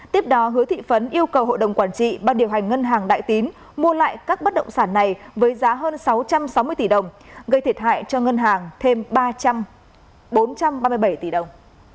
tiếp đó hứa thị phấn yêu cầu hội đồng quản trị ban điều hành ngân hàng đại tín mua lại các bất động sản này với giá hơn sáu trăm sáu mươi tỷ đồng gây thiệt hại cho ngân hàng thêm ba bốn trăm ba mươi bảy tỷ đồng